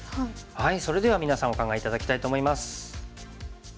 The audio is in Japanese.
それでは皆さんお考え頂きたいと思います。